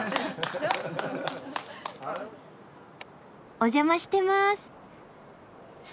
お邪魔してます。